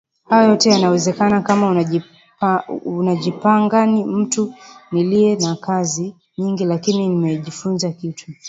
hayo yote yanawezekana kama unajipangani mtu niliye na kazi nyingi lakini nimejifunza kitu